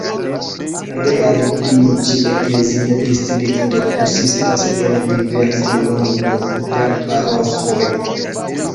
Reale tiu ĉi "eklezia distrikto" konsistas el diversa nombro da paroĥoj.